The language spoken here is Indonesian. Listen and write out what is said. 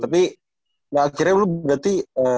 tapi ya akhirnya lu berarti